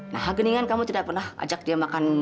nah hageningan kamu tidak pernah ajak dia makan